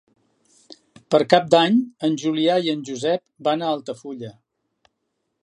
Per Cap d'Any en Julià i en Josep van a Altafulla.